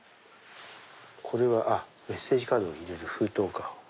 これはメッセージカードを入れる封筒か。